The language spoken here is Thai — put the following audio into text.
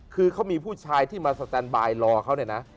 คือเขามีผู้ชายที่มาสแตนบายรอเขาเนี่ยนะ